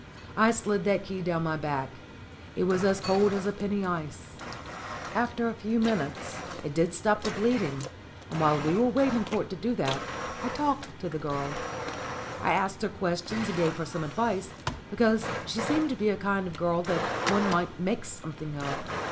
I slid that key down my back. It was as cold as a penny ice. After a few minutes it did stop the bleed ing, and while we were waiting for it to do that I THE KEY OF THE HEN HOUSE 169 talked to the girl. I asked her questions and gave her some advice, because she seemed to be a kind of girl that one might make something of.